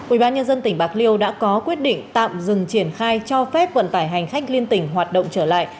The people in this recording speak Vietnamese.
ubnd tỉnh bạc liêu đã có quyết định tạm dừng triển khai cho phép vận tải hành khách liên tỉnh hoạt động trở lại